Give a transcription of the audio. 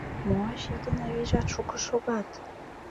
Мо ачий ден авийжат шуко шогат?